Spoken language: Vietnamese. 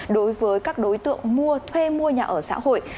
đối với các đối tượng mua thuê mua nhà ở xã hội